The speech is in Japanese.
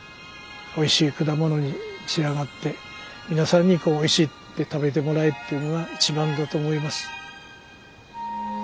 おいしい果物に仕上がって皆さんにこう「おいしい」って食べてもらえるっていうのが一番だと思います。